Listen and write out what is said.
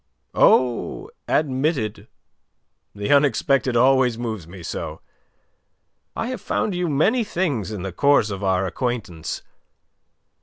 "Oh, admitted. The unexpected always moves me so. I have found you many things in the course of our acquaintance.